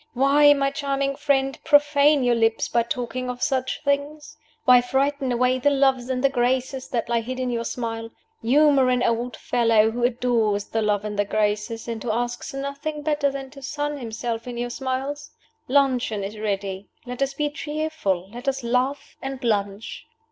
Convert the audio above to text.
Why, my charming friend, profane your lips by talking of such things? Why frighten away the Loves and the Graces that lie hid in your smile. Humor an old fellow who adores the Loves and the Graces, and who asks nothing better than to sun himself in your smiles. Luncheon is ready. Let us be cheerful. Let us laugh and lunch."